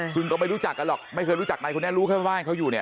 ซึ่งก็ไม่รู้จักกันหรอกไม่เคยรู้จักนายคนนี้รู้แค่ว่าบ้านเขาอยู่เนี่ย